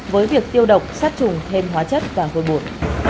với việc tiêu độc sát trùng thêm hóa chất và côi bụi